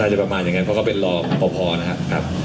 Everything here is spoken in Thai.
น่าจะประมาณอย่างนั้นเพราะก็เป็นรอพอนะครับ